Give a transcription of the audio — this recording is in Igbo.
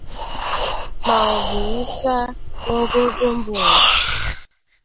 ma ọ bụ wusaa n'ogoogo mba ụwa.